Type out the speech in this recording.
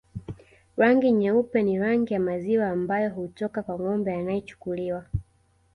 Rangi nyeupe ni rangi ya maziwa ambayo hutoka kwa ngombe anayechukuliwa